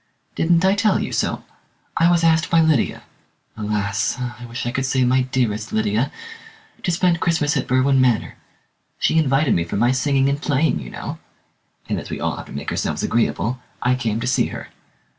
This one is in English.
"Didn't I tell you so? I was asked by Lydia alas! I wish I could say my dearest Lydia to spend Christmas at Berwin Manor. She invited me for my singing and playing, you know: and as we all have to make ourselves agreeable, I came to see her.